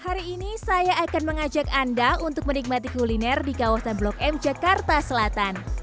hari ini saya akan mengajak anda untuk menikmati kuliner di kawasan blok m jakarta selatan